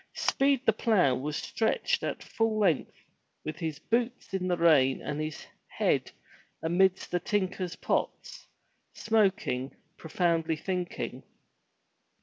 Speed the plough was stretched at full length with his boots in the rain and his head amidst the tinker's pots, smoking, profoundly thinking.